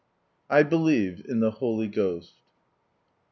"T believe in the Haly Ghost."